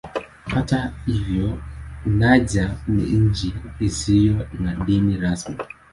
Hata hivyo Niger ni nchi isiyo na dini rasmi.